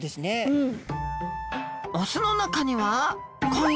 うん。